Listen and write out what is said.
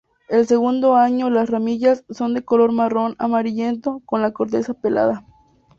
El segundo año las ramillas son de color marrón amarillento, con la corteza pelada.